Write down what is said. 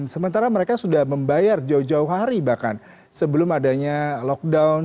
sementara mereka sudah membayar jauh jauh hari bahkan sebelum adanya lockdown